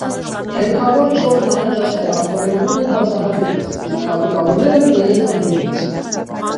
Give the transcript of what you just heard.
Թելքավոր չոր նախաճաշերը արտադրվում են հացահատիկից, իսկ հատիկավորները՝ միայն ալյուրից։